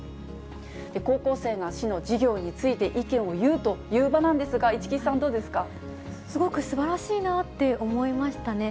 高校生が市の事業について意見を言うという場なんですが、市來さすごくすばらしいなって思いましたね。